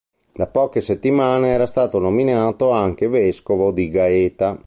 Da poche settimane era stato nominato anche vescovo di Gaeta.